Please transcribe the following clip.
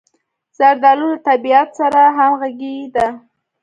زردالو له طبعیت سره همغږې ده.